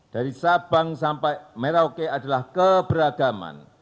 dari sabang sampai merauke adalah keberagaman